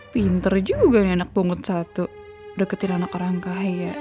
pinter juga nih anak pungut satu deketin anak orang kaya